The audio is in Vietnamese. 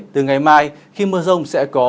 từ ngày mai khi mưa rông sẽ có